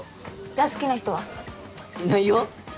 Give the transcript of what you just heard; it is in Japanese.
じゃ好きな人は？いないよ。